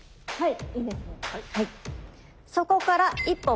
はい。